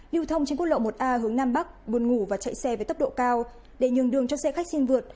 lưu thông trên quốc lộ một a hướng nam bắc buôn ngủ và chạy xe với tốc độ cao để nhường đường cho xe khách xin vượt